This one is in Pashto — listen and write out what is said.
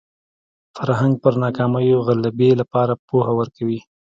فرهنګ پر ناکامیو غلبې لپاره پوهه ورکوي